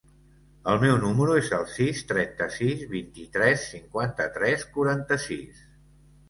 El meu número es el sis, trenta-sis, vint-i-tres, cinquanta-tres, quaranta-sis.